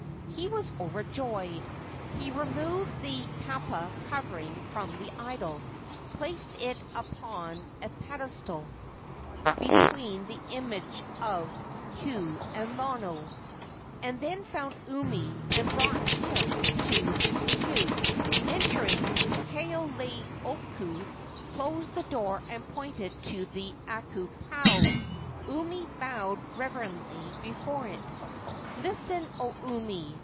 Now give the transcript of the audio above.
He was overjoyed. He removed the kapa covering from the idol, placed it upon a pedestal between the images of Ku and Lono, and then found Umi and brought him to the heiau. Entering, Kaoleioku closed the door and pointed to the Akuapaao. Umi bowed reverently before it. "Listen, O Umi!"